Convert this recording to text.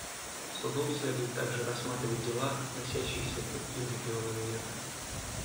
Суду следует также рассматривать дела, относящиеся к другим регионам мира.